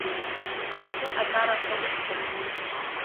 Аҵла аҵарақәа ықәтәоуп.